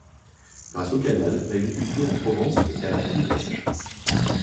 Grâce au canal, l’agriculture en Provence est à l’abri de la sécheresse.